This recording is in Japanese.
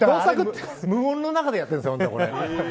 無音の中でやってるんですよ。